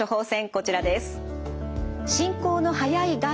こちらです。